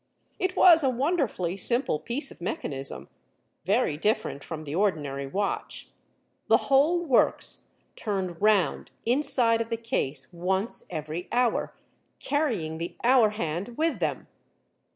It was a wonderfully simple piece of mechanism, very different from the ordinary watch. The whole works turned round inside of the case once every hour, carrying the hour hand with them.